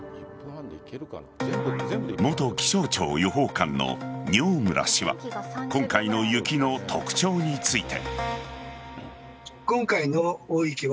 元気象庁予報官の饒村氏は今回の雪の特徴について。